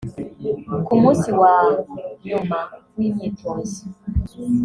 Ku munsi wa nyuma w’imyitozo